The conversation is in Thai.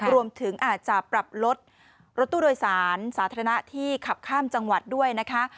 รวมถึงอาจจะปรับลดรถตู้โดยสารสาธารณะที่ขับข้ามจังหวัดด้วยนะคะ